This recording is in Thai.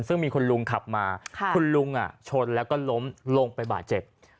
ซึ่งมีคุณลุงขับมาคุณลุงชนแล้วก็ล้มลงไปบาดเจ็บ